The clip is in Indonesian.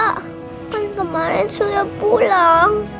kan kemarin sudah pulang